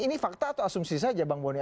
ini fakta atau asumsi saja bang boni